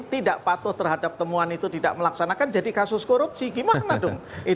tidak patuh terhadap temuan itu tidak melaksanakan jadi kasus korupsi gimana dong